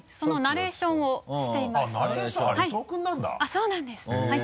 そうなんですはい。